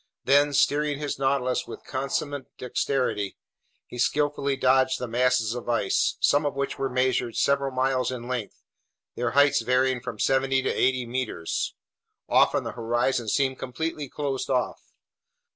Then, steering his Nautilus with consummate dexterity, he skillfully dodged the masses of ice, some of which measured several miles in length, their heights varying from seventy to eighty meters. Often the horizon seemed completely closed off.